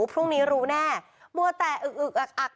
พรุ่งนี้รู้แน่มัวแต่อึกอัก